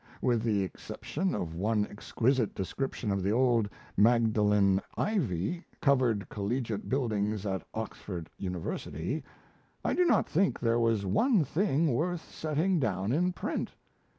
With the exception of one exquisite description of the old Magdalen ivy covered collegiate buildings at Oxford University, I do not think there was one thing worth setting down in print.